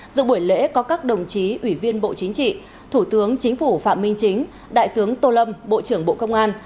giữa buổi lễ có các đồng chí ủy viên bộ chính trị thủ tướng chính phủ phạm minh chính đại tướng tô lâm bộ trưởng bộ công an